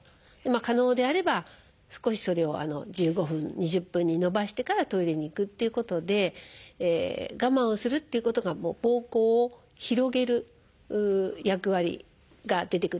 可能であれば少しそれを１５分２０分にのばしてからトイレに行くっていうことで我慢をするっていうことがぼうこうを広げる役割が出てくるんですね。